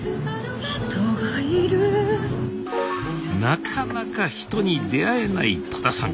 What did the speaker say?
なかなか人に出会えない戸田さん。